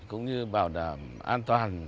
cũng như bảo đảm an toàn